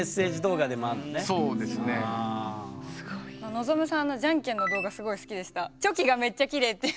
望さんのじゃんけんの動画すごい好きでした。